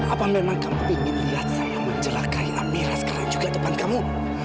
apa memang kamu ingin lihat saya menjelakai amira sekarang juga depan kamu